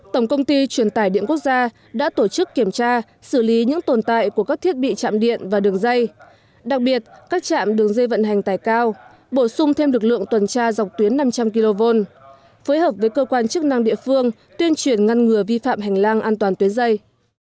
tổng công ty truyền tải điện quốc gia đã tổ chức kiểm tra xử lý những tồn tại của các thiết bị chạm điện và đường dây đặc biệt các trạm đường dây vận hành tài cao bổ sung thêm lực lượng tuần tra dọc tuyến năm trăm linh kv phối hợp với cơ quan chức năng địa phương tuyên truyền ngăn ngừa vi phạm hành lang an toàn tuyến dây